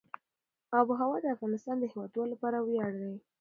آب وهوا د افغانستان د هیوادوالو لپاره ویاړ دی.